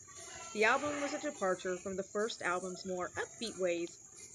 The album was a departure from the first album's more upbeat ways.